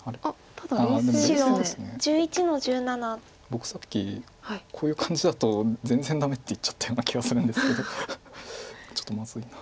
僕さっきこういう感じだと全然ダメって言っちゃったような気はするんですけどちょっとまずいな。